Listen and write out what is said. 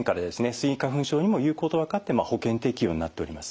スギ花粉症にも有効と分かって保険適用になっております。